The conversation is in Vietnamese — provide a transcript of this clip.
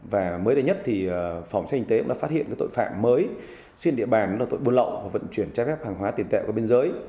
và mới đây nhất thì phòng sát kinh tế đã phát hiện tội phạm mới trên địa bàn là tội buôn lậu và vận chuyển trái phép hàng hóa tiền tẹo qua bên dưới